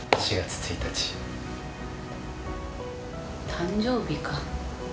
誕生日か。